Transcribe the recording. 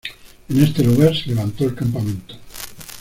En este lugar se levantó el campamento.